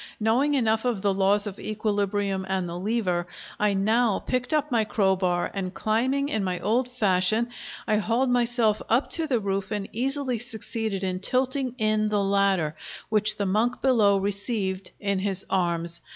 Knowing enough of the laws of equilibrium and the lever, I now picked up my crowbar; and climbing in my old fashion, I hauled myself up to the roof and easily succeeded in tilting in the ladder, which the monk below received in his arms.